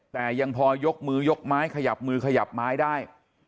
แต่ยังพอยกมือยกไม้ขยับมือขยับไม้ได้